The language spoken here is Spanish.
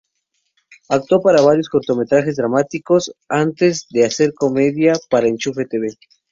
Actuó para varios cortometrajes dramáticos, antes de hacer comedia para "Enchufe.tv".